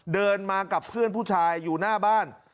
เดินมากับเพื่อนผู้ชายอยู่หน้าบ้าน